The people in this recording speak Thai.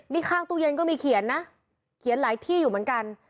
นี่ข้างตู้เย็นก็มีเขียนนะเขียนหลายที่อยู่เหมือนกัน